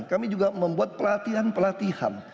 kami juga membuat pelatihan pelatihan